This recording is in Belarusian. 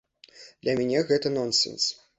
Для мяне гэта нонсэнс.